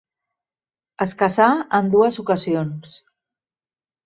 Es casà en dues ocasions.